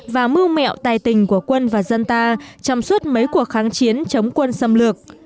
và mưu mẹo tài tình của quân và dân ta trong suốt mấy cuộc kháng chiến chống quân xâm lược